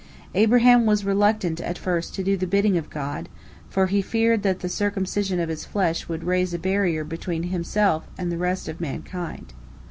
Abraham was reluctant at first to do the bidding of God, for he feared that the circumcision of his flesh would raise a barrier between himself and the rest of mankind.